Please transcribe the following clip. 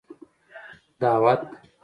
دعوت